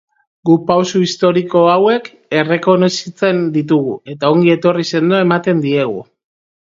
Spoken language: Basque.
Guk pausu historiko hauek errekonozitzen ditugu, eta ongi etorri sendoa ematen diegu.